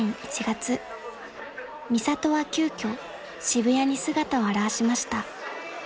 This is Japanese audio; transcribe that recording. ［ミサトは急きょ渋谷に姿を現しました］